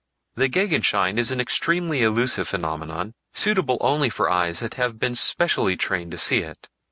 The Gegenschein is an extremely elusive phenomenon, suitable only for eyes that have been specially trained to see it.